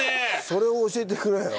それを教えてくれよ。